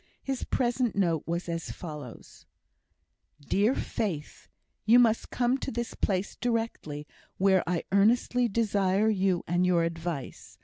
His present note was as follows: DEAR FAITH, You must come to this place directly, where I earnestly desire you and your advice.